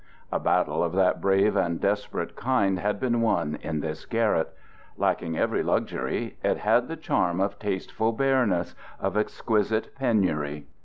A battle of that brave and desperate kind had been won in this garret. Lacking every luxury, it had the charm of tasteful bareness, of exquisite penury.